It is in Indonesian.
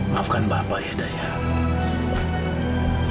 maafkan bapak ya dayak